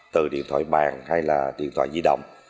từ điện thoại bàn hay là điện thoại di động